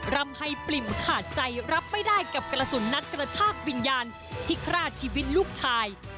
ร่ำให้ปริ่มขาดใจรับไม่ได้กับกระสุนนัดกระชากวิญญาณที่ฆ่าชีวิตลูกชาย